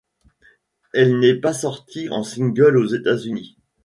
Elle n'est pas sortie en single aux États-Unis.